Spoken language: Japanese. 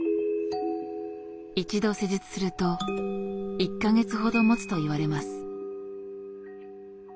一度施術すると１か月ほどもつといわれます。